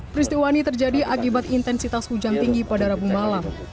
peristiwa ini terjadi akibat intensitas hujan tinggi pada rabu malam